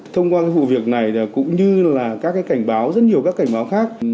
thông qua vụ việc này cũng như là các cảnh báo rất nhiều các cảnh báo khác